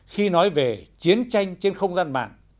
khi nói về chiến tranh trên không gian mạng